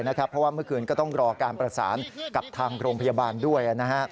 เพราะว่าเมื่อคืนก็ต้องรอการประสานกับทางโรงพยาบาลด้วย